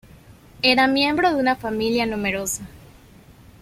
Era miembro de una familia numerosa.